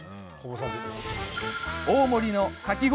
大盛りのかき氷